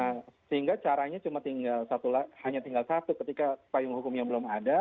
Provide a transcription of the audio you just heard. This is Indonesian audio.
nah sehingga caranya cuma hanya tinggal satu ketika payung hukumnya belum ada